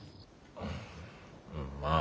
うんまあ